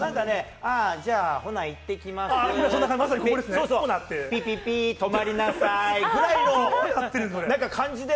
あ、じゃあ、ほないってきます、ピピピ、止まりなさいくらいの感じで。